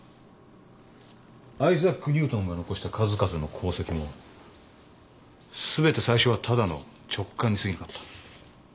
アイザック・ニュートンが残した数々の功績もすべて最初はただの直感にすぎなかった。